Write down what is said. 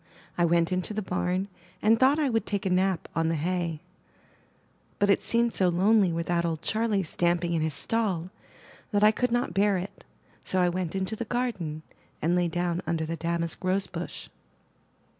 I went into the barn, and thought I would take a nap on the hay, but it seemed so lonely without old Charley 318 THE NURSERY stamping in his stall that I could not bear it; so I went into the garden, and lay down under the damask rose bush.